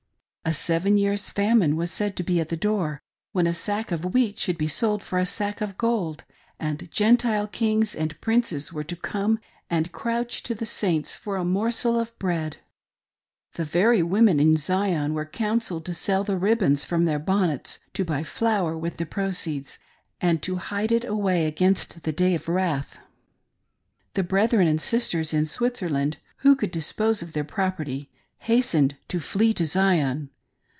A seven years' famine was said to be at the door, when a sack of wheat should be sold for a sack of gold, and Gentile Kings and Princes were to come and crouch to the Saints for a morsel of bread. The very women in Zion were counselled to sell the ribbons from their bonnets, to buy flour with the proceeds, and to hide it away against the day of wrath. The brethren and sisters in Switzerland who could dispose of their property hastened to " flee to Zion."